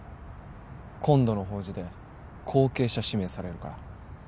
今度の法事で後継者指名されるから。